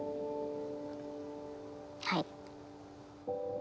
はい。